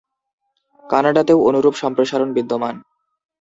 কানাডাতেও অনুরূপ সম্প্রসারণ বিদ্যমান।